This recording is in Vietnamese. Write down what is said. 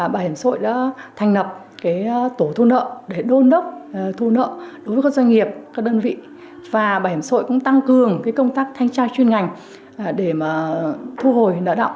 bảo hiểm xã hội đã thành lập tổ thu nợ để đôn đốc thu nợ đối với các doanh nghiệp các đơn vị và bảo hiểm sội cũng tăng cường công tác thanh tra chuyên ngành để mà thu hồi nợ động